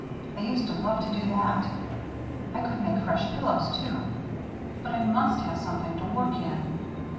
I used to love to do that. I could make fresh pillows, too. But I must have something to work in."